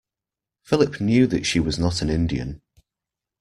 Philip knew that she was not an Indian.